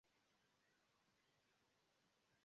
Kiun oni primokas?